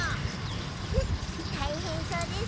ウフッたいへんそうですね。